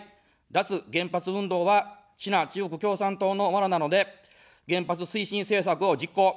脱原発運動はシナ、中国共産党のワナなので原発推進政策を実行。